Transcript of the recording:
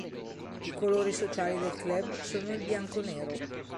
I colori sociali del club sono il bianco-nero.